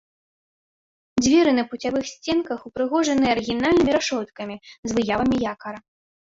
Дзверы на пуцявых сценах ўпрыгожаны арыгінальнымі рашоткамі з выявамі якара.